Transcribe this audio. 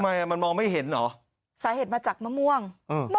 ทำไมอ่ะมันมองไม่เห็นเหรอสาเหตุมาจากมะม่วงอืม